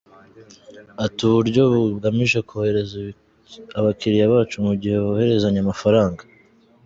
Ati “ Ubu buryo bugamije korohereza abakiliya bacu mu gihe bohererezanya amafaranga.